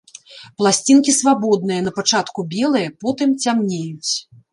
Пласцінкі свабодныя, напачатку белыя, потым цямнеюць.